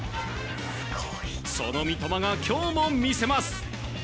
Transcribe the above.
その三笘が今日も魅せます。